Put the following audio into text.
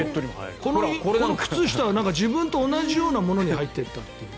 この靴下は自分と同じようなものに入っていったという。